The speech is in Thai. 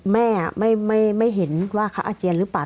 แม่ไม่เห็นว่าเขาอาเจียนหรือเปล่า